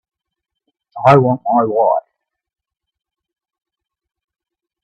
I want my wife.